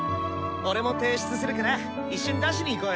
俺も提出するから一緒に出しに行こうよ。